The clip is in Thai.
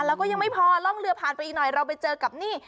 แล้วก็ยังไม่พอล่องเรือผ่านไปอีกหน่อยเราไปเจอกับนี่